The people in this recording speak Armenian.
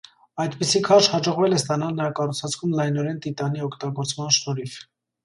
Այդպիսի քաշ հաջողվել է ստանալ նրա կառուցվածքում լայնորեն տիտանի օգտագործման շնորհիվ։